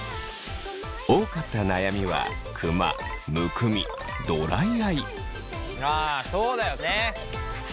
多かった悩みはあそうだよね。